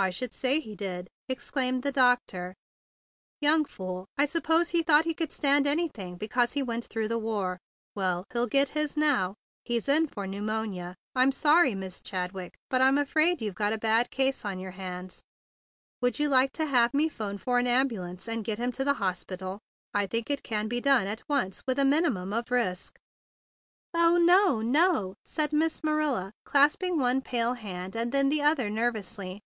"I should say he did!" ejaculated the doctor. "Young fool! I suppose he thought he could stand anything be¬ cause he went through the war. Well, he'll get his now. He's in for pneu¬ monia. I'm sorry, Miss Chadwick, but 142 THE BIG BLUE SOLDIER I'm afraid you've got a bad case on your hands. Would you like to have me phone for an ambulance and get him to the hospital? I think it can be done at once with a minimum of risk." "Oh, no, no!" said Miss Marilla, clasping one white hand and then the other nervously.